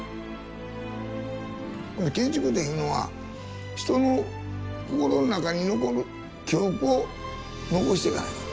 建築っていうのは人の心の中に残る記憶を残していかなあかん。